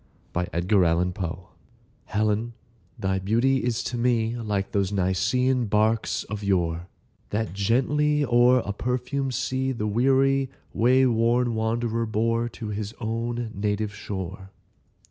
1829. TO HELEN Helen, thy beauty is to me Like those Nicean barks of yore, That gently, o'er a perfumed sea, The weary way worn wanderer bore To his own native shore.